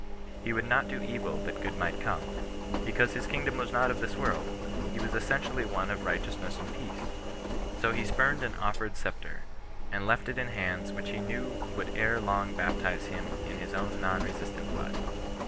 He would not do evil that good might come: — because his kingdom was not of this world, but was essentially one of right eousness and peace. So he spurned an offered sceptre, and left it in hands which he knew would ere long bap tize him in his own non resistant blood.